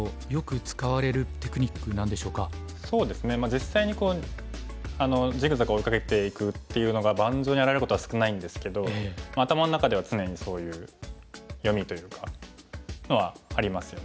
実際にこうジグザグ追いかけていくっていうのが盤上に現れることは少ないんですけど頭の中では常にそういう読みというかのはありますよね。